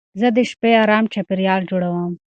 زه د شپې ارام چاپېریال جوړوم.